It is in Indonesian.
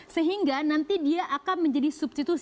sehingga nanti dia akan menjadi substitusi